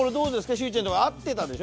秋ちゃんとか合ってたでしょ？